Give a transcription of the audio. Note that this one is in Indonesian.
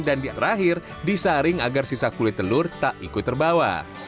dan di akhir disaring agar sisa kulit telur tak ikut terbawa